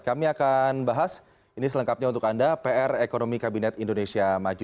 kami akan bahas ini selengkapnya untuk anda pr ekonomi kabinet indonesia maju